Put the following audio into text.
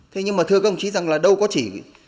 thế nhưng mà thưa công chí rằng là đâu có chỉ